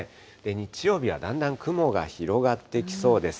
日曜日はだんだん雲が広がってきそうです。